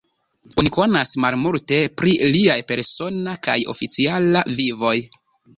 Oni konas malmulte pri liaj persona kaj oficiala vivoj.